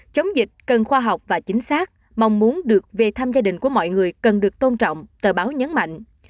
chống dịch cần khoa học và chính xác mong muốn được về thăm gia đình của mọi người cần được tôn trọng tờ báo nhấn mạnh